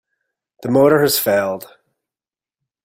The motor has failed.